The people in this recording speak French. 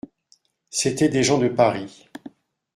C'étaient des gens de Paris.